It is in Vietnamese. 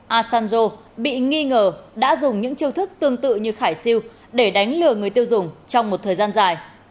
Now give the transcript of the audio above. asanjo bị nghi ngờ đã dùng những chiêu thức tương tự như khải siêu để đánh lừa người tiêu dùng trong một thời gian dài